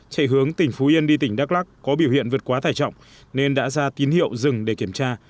chạy hướng tỉnh phú yên đi tỉnh đắk lắc có biểu hiện vượt quá tải trọng nên đã ra tín hiệu dừng để kiểm tra